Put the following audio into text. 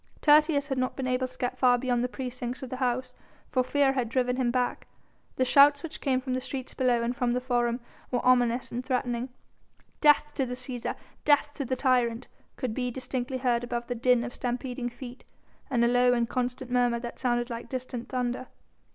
Tertius had not been able to get far beyond the precincts of the house, for fear had driven him back. The shouts which came from the streets below and from the Forum were ominous and threatening. "Death to the Cæsar! Death to the tyrant!" could be distinctly heard above the din of stampeding feet, and a low and constant murmur that sounded like distant thunder.